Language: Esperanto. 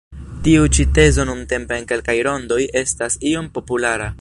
Tiu ĉi tezo nuntempe en kelkaj rondoj estas iom populara.